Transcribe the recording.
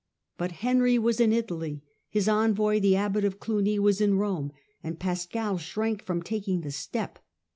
But Henry ^^^^ was in Italy ; his envoy, the abbot of Clugny, was in Rome ; and Pascal shrank from taking the step.